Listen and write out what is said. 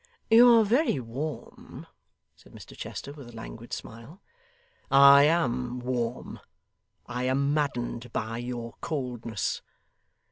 'You are very warm,' said Mr Chester with a languid smile. 'I AM warm. I am maddened by your coldness.